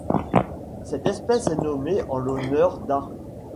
Cette espèce est nommée en l'honneur d'A.